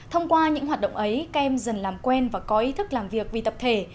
thông qua những hoạt động ấy các em dần làm quen và có ý thức làm việc vì tập thể